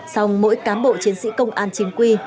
xong mỗi cán bộ chiến sĩ công an chính quy